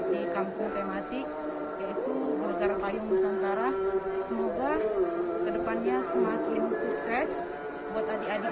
di kampung tematik yaitu negara payung nusantara semoga kedepannya semakin sukses buat adik adik